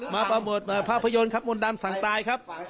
มาประภาพยนตร์ครับมนต์ดำสั่งตายครับ